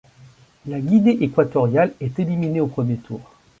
La Guinée équatoriale est éliminée au premier tour.